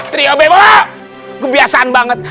trio bebo kebiasaan banget